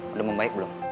udah membaik belum